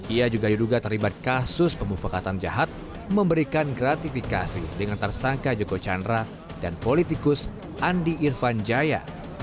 ia juga diduga terlibat kasus pemufakatan jahat memberikan gratifikasi dengan tersangka joko chandra dan politikus andi irfan jaya